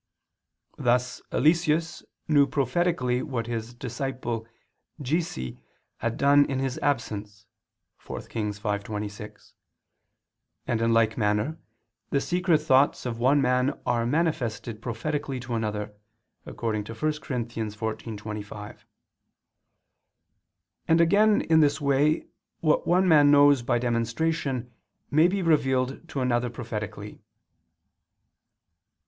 Thus Eliseus knew prophetically what his disciple Giezi had done in his absence (4 Kings 5:26), and in like manner the secret thoughts of one man are manifested prophetically to another, according to 1 Cor. 14:25; and again in this way what one man knows by demonstration may be revealed to another prophetically.